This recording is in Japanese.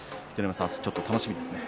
楽しみですね。